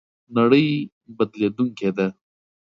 نړۍ بدلېدونکې ده